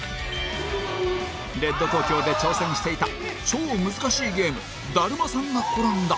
ＲＥＤ°ＴＯＫＹＯ で挑戦していた超難しいゲームだるまさんがころんだ